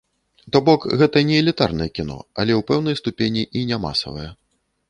То бок, гэта не элітарнае кіно, але, у пэўнай ступені, і не масавае.